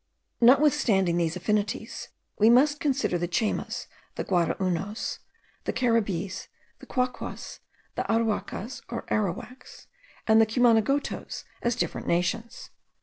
Notwithstanding these affinities, we must consider the Chaymas, the Guaraunos, the Caribbees, the Quaquas, the Aruacas or Arrawaks, and the Cumanagotos, as different nations.